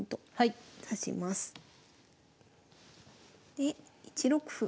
で１六歩。